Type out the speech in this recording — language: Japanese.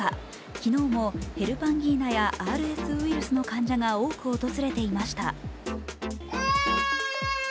昨日もヘルパンギーナやＲＳウイルスの患者が多く訪れていました。